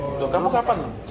untuk kamu kapan